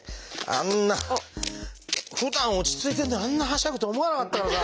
あんなふだん落ち着いててあんなはしゃぐと思わなかったからさ